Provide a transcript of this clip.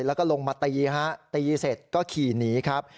แล้วก็ลงมาตีฮะตีเสร็จก็ขี่หนีครับ